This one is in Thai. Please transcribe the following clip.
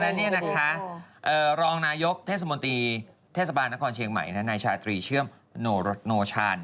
นั่นนี่นะคะรองนายกเทศบาลนครเชียงใหม่นัยชาตรีเชื่อมโนชาล